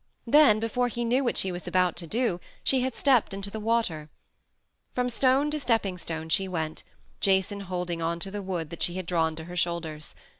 Then, before he knew what she was about to do, she had stepped into the water. From stone to stepping stone she went, Jason holding on to the wood that she had drawn to her shoulders.